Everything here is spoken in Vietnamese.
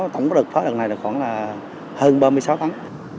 tổng lượng pháo lần này khoảng hơn ba mươi sáu tấn